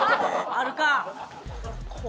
あるか！